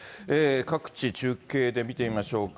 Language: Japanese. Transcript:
各地、中継で見てみましょうか。